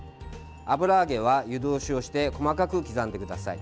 油揚げは湯通しをして細かく刻んでください。